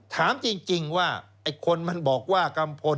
ถามจริงว่าไอ้คนมันบอกว่ากัมพล